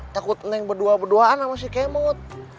takut neng berdua berduaan sama si kemot